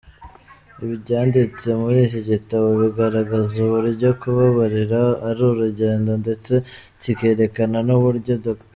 Ibyanditse muri iki gitabo bigaragaraza uburyo kubabarira ari urugendo, ndetse kikerekana n’uburyo Dr.